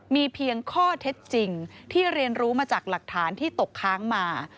มีเพียงข้อเท็จจริงที่เรียนรู้มาจากหลักฐานที่ตกค้างมา